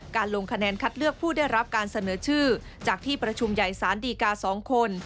ลงคะแนนคัดเลือกผู้ได้รับการเสนอชื่อจากที่ประชุมใหญ่สารดีกา๒คน